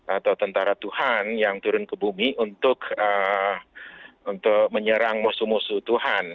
atau tentara tuhan yang turun ke bumi untuk menyerang musuh musuh tuhan